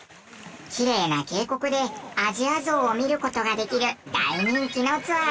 きれいな渓谷でアジアゾウを見る事ができる大人気のツアーです。